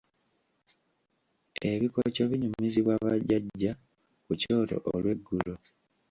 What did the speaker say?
Ebikoco binyumizibwa bajjajja ku kyoto olweggulo.